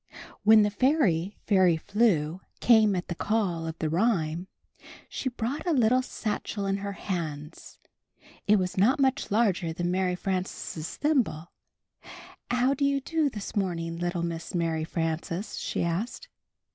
When the fairy Fairly Flew came at the call of the rhyme, she brought a httle satchel in her hands. It was not much larger than Mary Frances' thimble. "How do you do this morning, little Miss Mary Frances?" she asked.